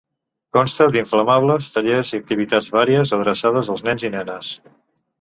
Consta d'inflables, tallers i activitats vàries adreçades als nens i nenes.